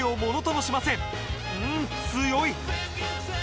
うん強い！